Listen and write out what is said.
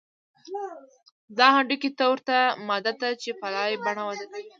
دا هډوکي ته ورته ماده ده چې په لایې په بڼه وده کوي